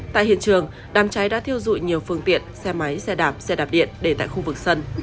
tại hiện trường đám cháy đã thiêu dụi nhiều phương tiện xe máy xe đạp xe đạp điện để tại khu vực sân